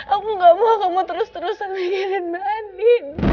aku gak mau kamu terus terusan mengirin mbak andi